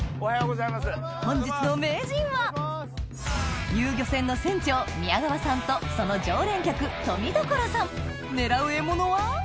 本日の名人は遊漁船の船長宮川さんとその常連客富所さん狙う獲物は？